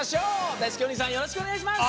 だいすけおにいさんよろしくおねがいします。